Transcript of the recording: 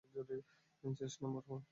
Chest number four!